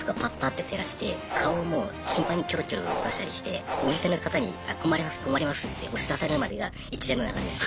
ッて照らして顔をもう頻繁にキョロキョロ動かしたりしてお店の方に「あ困ります困ります」って押し出されるまでが一連の流れです。